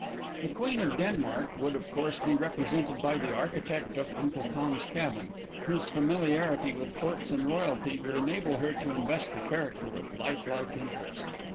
The Queen of Denmark would of course be represented by the architect of "Uncle Tom's Cabin," whose familiarity with courts and royalty would enable her to invest the character with life like interest.